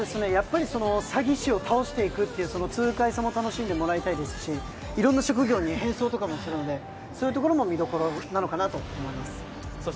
詐欺師を倒していくという痛快さも楽しんでもらいたいですしいろんな職業に変装とかするので見どころなのかなと思います。